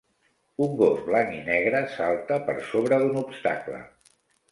Un gos blanc i negre salta per sobre d'un obstacle.